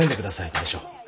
大将。